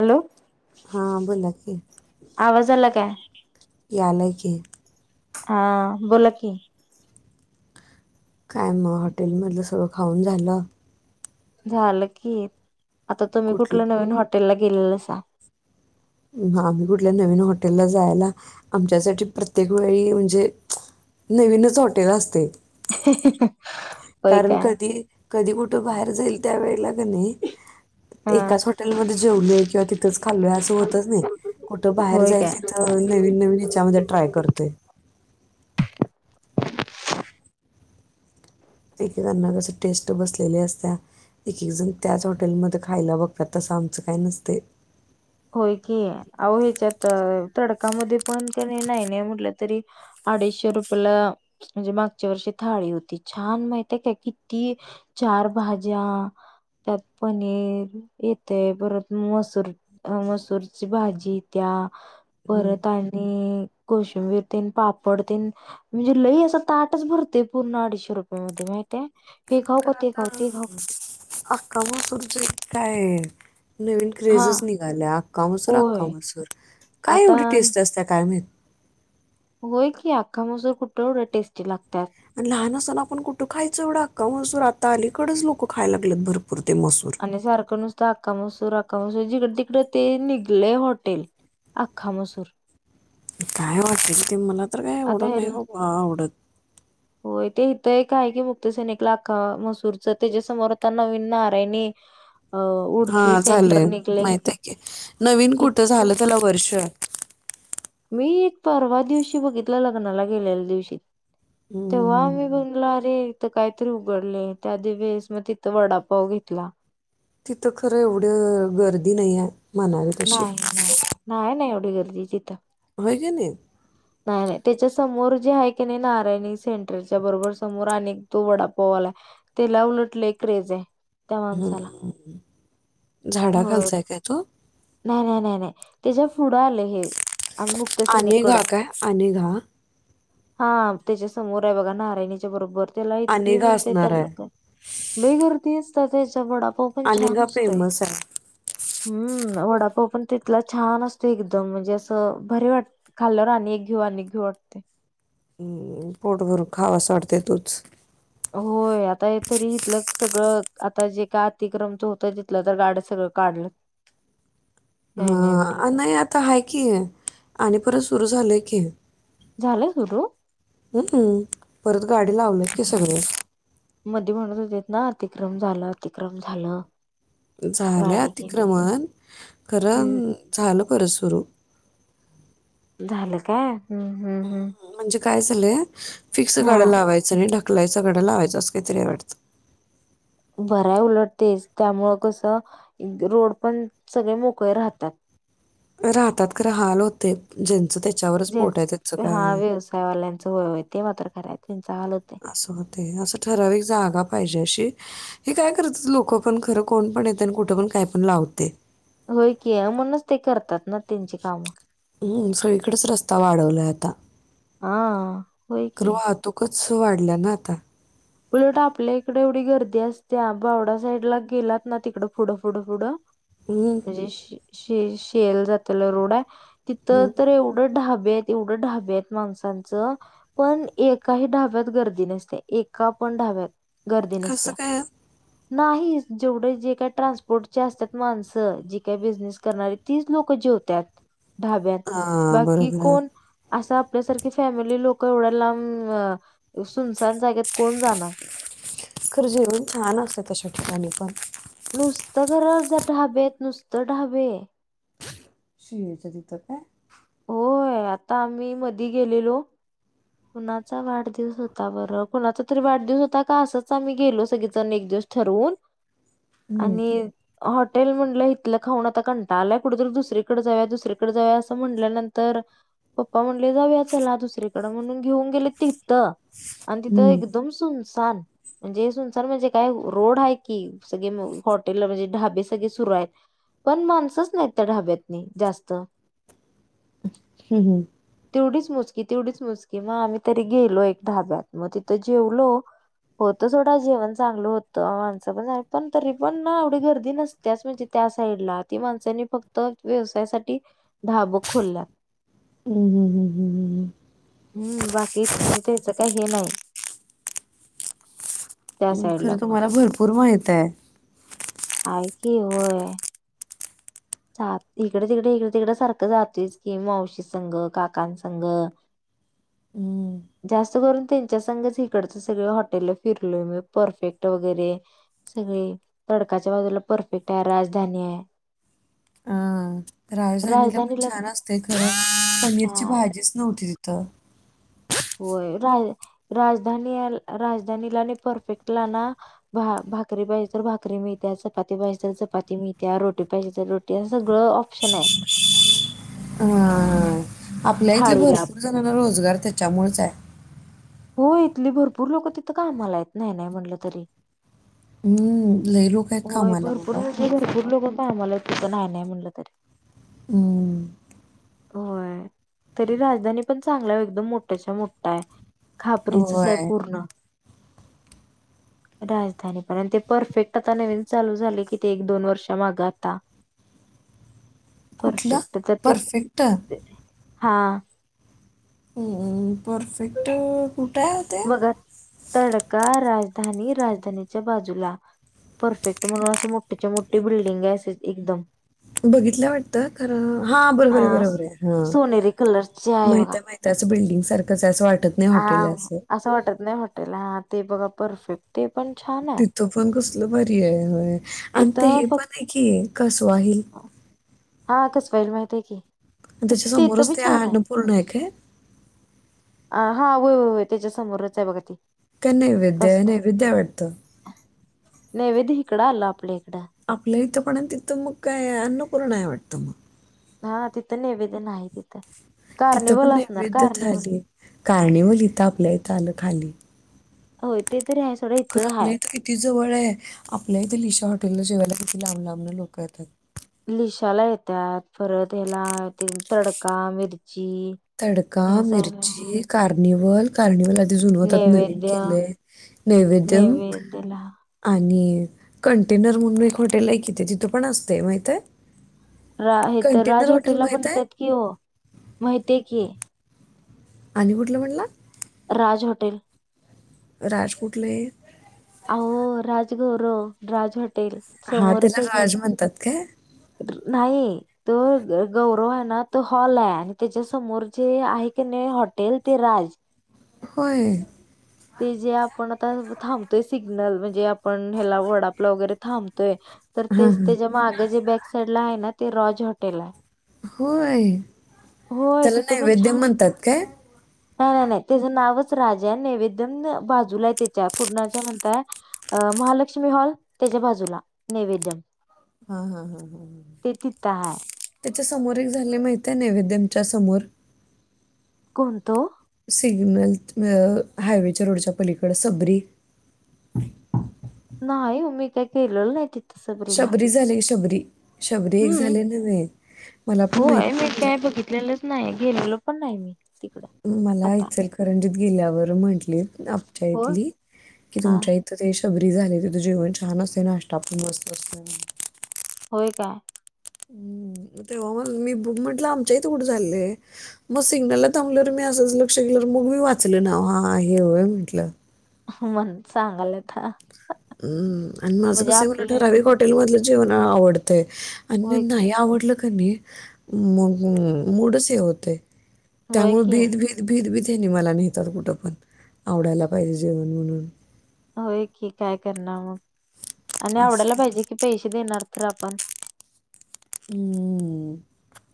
Hello? हां बोला की. आवाज आला काय? यांल की हां बोलां की कायं मंग हॉटेलमधलं सगळं खाऊं नं झालं झालं की आंता तुम्हीं कुठलं कुंठल्या नवीन हॉटेलला गेलेलं सां आम्हीं कुंठल्या नवीन हॉटेलला जायंला आमच्यांसाठी प्रत्येक वेळी म्हणजे नवीनचं हॉटेल असते होय कारणं काय कधीं कधीं कुंठे बाहेर जाईल त्यांवेेळेला हा एकां हॉटेलमध्ये जेलोय किं तीथेच खाऊं यां असं होत्यां नाहीं कुठं बाहेर होय जाईल काय तिथं नवीन नवीन हेच्यामध्यें ट्राय करतोय एक के करं कसं टेस्टी बसलेले असतं एक एक जणं त्याचं हॉटेलमध्यें खांयला बघतांत तसं आमचं कायं नसते होयं की अहो ह्यांच्यात तडकांमध्ये पणं कां नाहीं नाहीं म्हटलं तरी की अडीचशे रुपयांचा म्हणजे मागच्या वर्षी थाळी होती छान माहिते कायं किती चार भाज्यां त्यांत पनीर येतंय परंत मसूंर अं मसूंरची भाजी त्यां परंत आणि कोशंबीर तेन पापड तेन म्हणजे लई असं ताटंच भरते पूर्ण अडीचशे रुपयांत मध्यें माहितय आहे तरं आंता हक्कां मं तसंच इथं कायं आहे नवीन हा क्रेजच निघालं अक्का मसूंर अक्का होय मसूंर कायं आता एवढी टेस्ट असत्यां कायं माहिती होयं की अख्खा मसूंर कुठं तेवढे टेस्टी लागतांत आणि लहांन असतांना आपणं कुठं खायचं एवढां म्हटलं आंता अलीकडेच लोकं खांयला लागलेत भरंपूर ते मसूंन सारखं नुसतं हक्का मसूंर हक्का मसूंर जिकडे तिकडं ते निघलंय हॉटेल आख्खा मसूंर कायं वाटते की ते मलां तरं कायं आवडतं नाहीं खरं आवडत होयं ते इथं एक कायं की मुक्ती सैनिक लाख मसूंरची त्यांच्यासमोर आंता नवीन नारायणी अं उडपी हा सेंटर झाले निघले किती एकां वर्षांत मी एक पर्वा दिवशी बघितलं लग्नांला गेलेल्या त्यां दिवशी हम्म, तेंव्हा मी हम्म. म्हटलं बनलो अरे तीथं कांहींतरी उघडले त्यां दिवशी वळेस मंग तिथं वडांपाव घेतला तिथं खरं एवढं गर्दी नाहीं आहेंत नाहीं नाहीं नाहीं नाहीं एवढी गर्दी तीथं होयं कणी नाहीं नाहीं त्यांच्या समोर जे आहे की नाहीं नारायणी सेंटरच्या बरोबर समोर अं तो वडांपोवाला आहे तीला उलटले क्रेज येते हम्मं झांडा कां लचांय कायं तूं नाहीं नाहीं नाहीं नाहीं त्यांच्या पुढं आलं हे आम्ही मुक्त अनेघा कायं अनेघा हां त्यांच्या समोर आहे बघां नारायणीच्या बरोबर त्यांला इतकीे अनेघा म्हणते असणार आहे. त्यांला कां लई गर्दी असं तरं त्यांचा वडांपाव पणं छान अनेघा असतोय फेमस आहे. हम्मं वडांपाव पणं तिथलां छान असतो एकदंम म्हणजे असं बरे वाटतं खाल्लं आणि एक घेऊ आणि घेऊ वाटते हम्मं पोट भरूंन खावांसा वाटतं तूंचं होयं आंता हे तरी इथलं सगळं आंता जे कायं अतिक्रमच होतं तिथलं तरं गांड सगळं काढलं [inaudible] नाही म्हणलं हा ते नाही आता ह की आणि परत सुरू झालंय की. झालं सुरू हम् हम परत गाडी लावलत की सगळे. हम्म. मध्ये म्हणत होते ना अतिक्रम झाला अतिक्रम झालं. झाल्या गाडी गेली अतिक्रमण हम्म खरं झालं परत सुरू. झालं काय हम्म हम्म हम्. म्हणजे काय झालंय फिक्स गाड्या हा लावायचं आणि ढकलायचं गाड्या लावायचं असं काहीतरी वाटतं. बराय उलटतेच त्यामुळं कसं रोड पण सगळे मोकळे राहतात. राहतात राहाल होते. ज्यांचं त्याच्यावरच पोट ज्यांच आहे त्याचं हा काय व्यवसायवाल्यांचं होय होय ते मात्र खरं आहे त्यांचा हाल होतय असं हो ते असं ठराविक जागा पाहिजे अशी हे काय करत लोक पण खरं कोण पण येते आणि कुठं पण काय पण लावते. होय की म्हणूनच ते करतात ना त्यांची कामं. हम् सगळीकडेच रस्ता वाढवलाय आता हा होय की कवा तुकच वाढले ना आता? उलट आपल्या इकडे एवढी गर्दी असते बावडा साईड ला गेलात ना तिकडं फुढं फुडं फुड [inaudible] शी शे शेल जातला रोड आहे तिथ हं. तर येव ढ ढाबे आहेत एवढं ढाबे आहेत माणसांचं पण एकाही ढाब्यात गर्दी नसते एक का पण धाब्यात गर्दी कसं नसत्या. काय नाही जेवढे जे काय ट्रान्सपोर्टचे असतात माणसं जे काही बिझनेस करणारी तीच लोक जेवतात धाब्यात हां, बाकी बरोबर आहे. कोण असं आपल्यासारखी फॅमिली लोक एवढ्या लांब सुनसान जागत कोण जाणार? खरं जेवण छान असत तश ठिकाणी पण. नुसतं घरा ढाबेत नुसतं ढाबे हे. शिर्डीच्या तिथं काय? होय आता आम्ही मधी गेलेलो कुणाचा वाढदिवस होता बरं कुणाचा तरी वाढदिवस होता का असच आम्ही गेलो सगळेच अने एक दिवस ठरवून हं, आणि हॉटेल म्हटलं इथलं खाऊन आता कंटाळा आलाय कुठेतरी दुसरीकडे जाव्या दुसरीकडे जा्या असं म्हण म्हल्यानंतर पप्पा म्हणले जाऊया चला दुसरीकडं म्हणून घेऊन गेले तिथत. आणि तिथं हं, एक दुमसम सन. म्हणजे सुनसान म्हणजे काय रोड आहे की सगळे म हॉटेल म्हणजे ढाबे सगळे सुरू आहेत. पण माणसच नाही त्या ढाब्यात नाही जास्त. हम्म हम्म. तेवढीच मुजकी तेवढीच मुजकी मग आम्ही तरी गेलो एक धाब्यात मग तिथं जेवलो. होत थोडा जेवण चांगल होतं माणसं पण चांगली तरी पण ना आवडी गर्दी नसते. त्याच म्हणजे त्या साईडला ती माणसनी फक्त व्यवसाया साठी धाब खोलल्यात. हम् हम हम हम. हम्म हम्म. हम्म बाकी म्हणजे त्याचं काही हे नाही. त्या हम् साईडला खरं पण तुम्हाला भरपूर माहितये. हाय की व्हय. चा इकडे तिकडे इकडे तिकड सारखं जातेस की मावशी संघ काकान संघ. [inaudible] हूं! जास्त करून त्यांच्या संगच इकडच सगळ हॉटेल फिरलोय मी परफेक्ट वगैरे. सगळे तडकाच्या बाजूला परफेक्ट आहे, राजधानी आहे. हां. राजधानीला पण छान असतेय खरं, पनीरची छान भाजीच नव्हती तिथं. होय राज-राजधानीयल राजधानीला नही परफेक्टला ना भा-भाकरी पाहिजे तर भाकरी मिळत्या, चपाती पाहिजे तर चपाती मिळत्या, रोटी पाहिजे तर रो टी सगळं ऑप्शन आहे. हा आपल्या इथले थाळीला भरपूर जणांना रोजगार त्याच्यामुळच आहे. हो इथली भरपूर लोकं तिथं कामाला आहेत नाही नाही म्हनंलं तरी. हम्म, लई लोक आहेत होय कामाला भरपूर बाबा. म्हणजे, भरपूर लोक कामाला तीथं नाही नाही म्हणलं तरी. ऊ! होय तरी राजधानी पण चांगल एकदम मोठ्याच्या मोठ आहे. खापरीचच आहे होय. पूर्ण. राजधानी पण अन ते परफेक्ट आता नवीन चालू झाले की ते एक दोन वर्ष माग आता. कुठलं? परफेक्ट त ते परफेक्ट? ते हा! हूं परफेक्ट कुठे आहे ते? बघा तडका, राजधानी, राजधानीच्या बाजूला. परफेक्ट म्हणून असं मोठीच्या मोठी बिल्डिंग आहे अस एकदम. बघितल्या वाटतं खर हा बरोबर आहे अ बरोबर आहे ह सोनेरी कलरची माहित आहे माहित ते अस बिल्डिंग सारखंच आहे अस वाटत नाही आ हॉटेल आहे हा असं वाटत नाही हॉटेल, हा ते बघा परफेक्ट ते पण छान आहे. तो पण कसल भारी आहे होय, आणि ते तिथं हे पण फक्त आहे की कसवा हील. हा कसं पाहिलं माहिती आहे की. आण तिथं त्याच्या तिथं समोरच बी ते छान अन्नपूर्ण आहे काय? अ हा होय, होय त्याच्या समोरच आहे बघा ती. का नैवेद्य आहे कसबाई नैवेद्य हे वाटत. नैवेद्य हीकडं आलं आपल्या इकडं. आपल्या इथं पण आहे तिथं मग काय अन्नपूर्ण आहे वाटतं मग. हा तिथं नैवेद्य नाही तिथं तिथं पण कार्निवल असणार, नैवेद्य कार्निवल. थाली. कार्निवल इथं आपल्या इथं आलं खाली. होय ते तरी आहे सोडा इथं आहे. ती जवळ आहे आपल्या इथे लिशा हॉटेलला जेवायला किती लांब लांबन लोकं येतात. लिशाला येत्यात परत ह्याला ते तडका, मिरची. तडका, ह्या साईडला आहे. मिरची, कार्निवल. कार्निवल आधी जुनहोत आता नवीन नैवेद्य केलंय नैवेद्यम. नैवेद्यला आणि कंटेनर म्हणून एक हॉटेल आहे कि तिथे तिथं पण असतेय माहितय. रा हे तर राज हॉटेलला पण माहिती आहे? येत्यात की हो, माहितीय की. आणि कुठलं म्हनंला. राज हॉटेल. राज कुठंलये? अहो राजगौरव, राज हॉटेल हां, समोरच त्याला आहे की. राज म्हणतात काय? नाही. तो गौरव आहे ना तो हॉल आहे, आणि त्याच्या समोर ची आहे की नाही हॉटेल ती राज. होय! ते जे आपण आता थांबतोय, सिग्नल म्हणजे आपण ह्याला वडापला वगैरे थांबतोय तर हां, तेच हां. त्याच्या मागं जे बॅक साइड ला आहे ना, ते रॉज हॉटेल आहे होय होय त्याला तिथं पण नैवेद्य छान म्हणतात काय? नाही नाही नाही त्याचं नावच राजा नैवेदम बाजूला आहे, त्याच्या कुर्णाच्या म्हणताय अ महालक्ष्मी हॉल त्याच्या बाजूला नैवेदम हा हा हा हा ह तिथं आहे त्याच्या समोर एक झालय माहिती आहे, नैवेद्यमच्या समोर कोणत ओ? सिग्नल हायवेच्या रोडच्या पलीकड सबरी नाही ओ मी काय गेलेलो नाही ति शबरी झाले, शबरी शबरी एक हम्म झाले नव्हे, मला पण माहित नव्हतं तलेलंच नाही, गेलेलं पण नाही मी तिकडं मला आता इचलकरंजीत गेल्यावर म्हंटली, आपच्या होय इथली कि हा तुमच्या इथ तर ते शबरी झाले, तिथ जेवण छान असते, नाश्ता पण मस्त असतो. होय काय हम् तेव्हा मग मीु म्हंटलं आमच्याही उडं झालंय मग सिग्नलला थांबल्यावर, मी असं लक्ष केलं मग मी वाचल ना हा हेय म्हंटलं मण चांगलयता हम्म आणि माझं कस आहे, मला इथ ठराविक हॉटेल मधलं जेवण आवडतय. अन होय की नाही आवडलं का नाही मूडच हे होतय. होय त्यामुळे की भीत भीत, भीत भीतच मेनी नेतात मला तर कुठं पण, आवडायला पाहिजे जेवण म्हणून. होय की, काय करणार मग आणि आवडायला असं पाहिजे की पैसे देणार तर आपण हम्म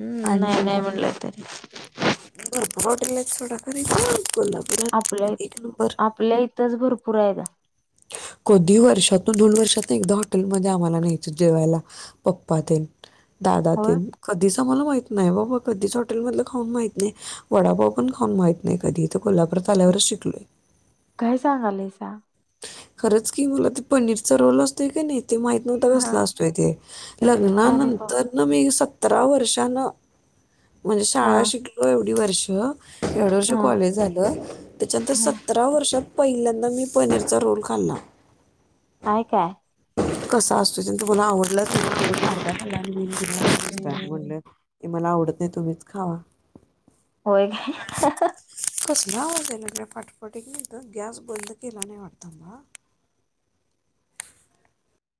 हम्म आणि नाही नाही म्हटलंय तरी भरपूर हॉटेल आहेत सोडा खरंतु कोला आपल्या, आपल्या इथंच भरपूर आहेत. कधी वर्षातून, दोन वर्षातून एकदा हॉटेलमध्ये आम्हाला न्यायचे जेवायला पप्पा तेन, दादा होय तेन कधीच आम्हाला माहित नाही बाबा कधीच हॉटेलमधलं खाऊन माहित नाही, वडापाव पण खाऊन माहत नाही कधीच. इथे कोल्हापुरात आल्यावरच शिकलोय. काय सांगालेयसा? खरंच की मला ते पनीरचा रोल असतोय की, नाही ते माहि ता हा कसला असतोय ते, इथे अरे बा लग्नानंतर न मी सतरा वर्षान म्हणजे हा शाळा शिकलो एवढी वर्ष, एवड वर्ष हा कॉलेज झालं, त्याच्यानंतर हा सतरा वर्षात पहिल्यांदा मी पनीरचा रोल खाल्ला आहे का? कसं असतो ते, तु ना आवडलं तर्दा्या खा बि हम्म म्हण मला आवडत नाही, तुम्हीच खावा. होय काय? कसला आवाजेला फटफटी घेल, तर गॅस बंद केला नाही वाटत बा